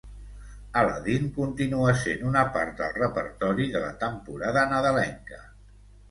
Aladdin continua sent una part del repertori de la temporada nadalenca.